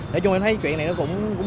nói chung là em thấy chuyện này nó cũng nên